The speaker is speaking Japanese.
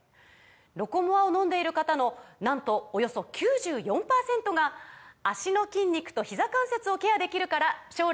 「ロコモア」を飲んでいる方のなんとおよそ９４％が「脚の筋肉とひざ関節をケアできるから将来も安心！」とお答えです